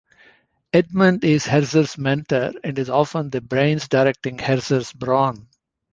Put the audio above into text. Edmund is Herzer's mentor and is often the brains directing Herzer's brawn.